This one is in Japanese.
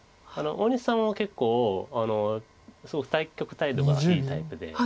大西さんは結構すごく対局態度がいいタイプで。